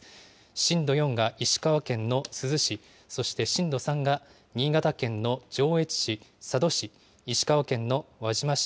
震度４が石川県の珠洲市、そして震度３が新潟県の上越市、佐渡市、石川県の輪島市